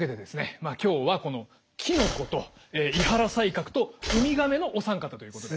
まあ今日はこのきのこと井原西鶴とウミガメのお三方ということで。